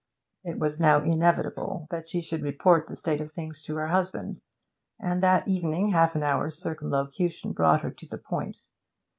It was now inevitable that she should report the state of things to her husband, and that evening half an hour's circumlocution brought her to the point.